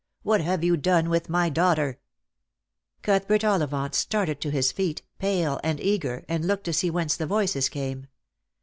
What have you done with my daughter ?" Cuthbert Ollivant started to his feet, pale and eager, and looked to see whence the voices came.